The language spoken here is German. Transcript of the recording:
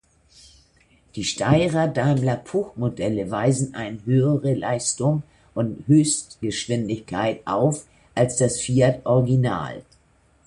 Die Steyr-Daimler-Puch-Modelle weisen eine höhere Leistung und Höchstgeschwindigkeit auf als das Fiat-Original.